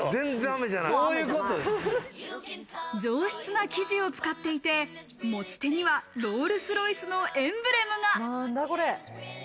上質な生地を使っていて、持ち手にはロールス・ロイスのエンブレムが。